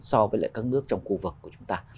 so với các nước trong khu vực của chúng ta